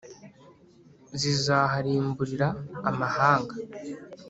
Zizaharimburira amahanga